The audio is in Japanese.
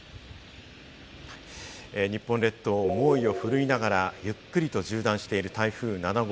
日本列島を猛威をふるいながら、ゆっくりと縦断している台風７号。